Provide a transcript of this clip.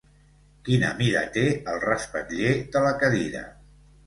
Quina mida té el respatller de la cadira?